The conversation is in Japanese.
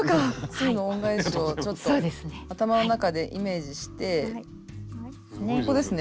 「鶴の恩返し」をちょっと頭の中でイメージしてここですね。